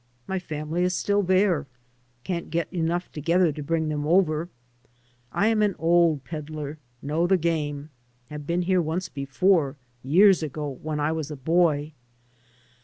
My family is still there. Can't get enough together to bring them over. I am an old peddler — ^know the game — ^have been here once before, years ago, when I was a boy.